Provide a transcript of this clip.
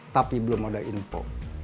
tapi belum ada info